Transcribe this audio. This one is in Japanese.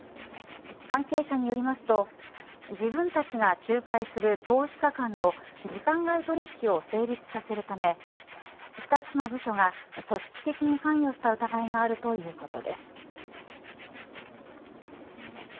関係者によりますと自分たちが仲介する投資家間の時間外取引を成立させるため２つの部署が組織的に関与した疑いがあるということです。